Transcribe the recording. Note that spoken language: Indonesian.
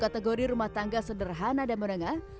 kategori rumah tangga sederhana dan menengah